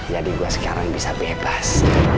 jadi gua sekarang bisa bebas